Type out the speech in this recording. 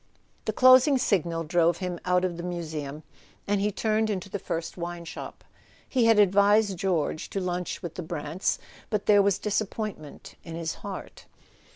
The closing signal drove him out of the Museum, and he turned into the first wine shop. He had advised George to lunch with the Brants, but there was dis¬ appointment in his heart.